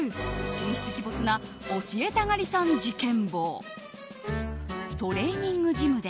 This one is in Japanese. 神出鬼没な教えたがりさん事件簿。